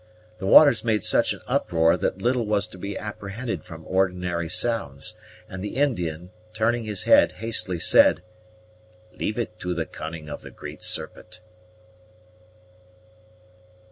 The waters made such an uproar that little was to be apprehended from ordinary sounds, and the Indian, turning his head, hastily said, "Leave it to the cunning of the Great Serpent."